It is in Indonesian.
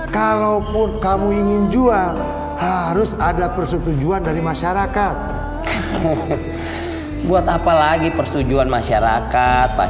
kalaupun kamu ingin jual harus ada persetujuan dari masyarakat buat apa lagi persetujuan masyarakat pak